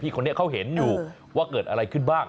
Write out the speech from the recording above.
คนนี้เขาเห็นอยู่ว่าเกิดอะไรขึ้นบ้าง